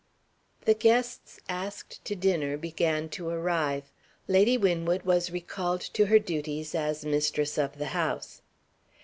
The guests asked to dinner began to arrive. Lady Winwood was recalled to her duties as mistress of the house.